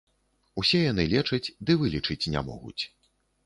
Усе яны лечаць, ды вылечыць не могуць.